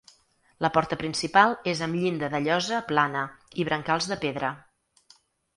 La porta principal és amb llinda de llosa plana i brancals de pedra.